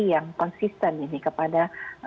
yang konsisten ini kepada